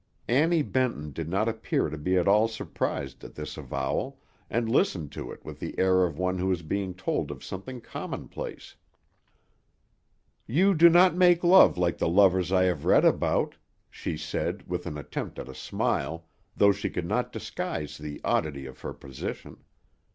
Annie Benton did not appear to be at all surprised at this avowal, and listened to it with the air of one who was being told of something commonplace. "You do not make love like the lovers I have read about," she said, with an attempt at a smile, though she could not disguise the oddity of her position.